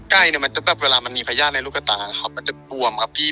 ใกล้เนี่ยมันจะแบบเวลามันมีพญาติในลูกกระตาครับมันจะบวมครับพี่